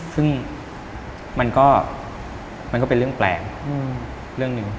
ซึ่งมันก็เป็นเรื่องเปลี่ยน